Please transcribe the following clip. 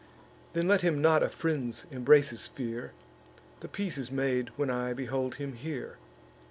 Then let him not a friend's embraces fear; The peace is made when I behold him here.